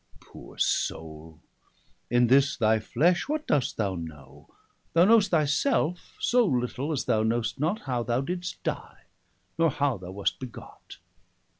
Poore soule, in this thy flesh what dost thou know? Thou know'st thy selfe so little, as thou know'st not, 255 How thou didst die, nor how thou wast begot.